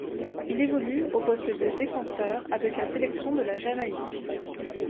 Il évolue au poste de défenseur avec la sélection de la Jamaïque.